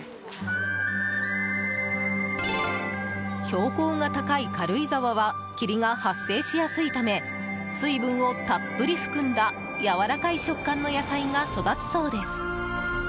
標高が高い軽井沢は霧が発生しやすいため水分をたっぷり含んだやわらかい食感の野菜が育つそうです。